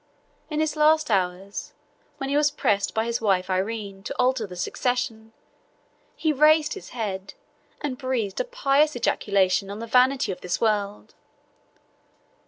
In his last hours, when he was pressed by his wife Irene to alter the succession, he raised his head, and breathed a pious ejaculation on the vanity of this world.